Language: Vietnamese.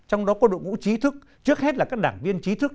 trong đó có đội ngũ trí thức trước hết là các đảng viên trí thức